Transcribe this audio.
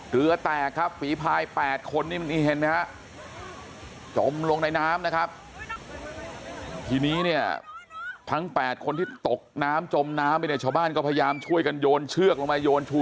เรือแตกครับภีรภาย๘คนนี่มันเห็นมั้ยฮะ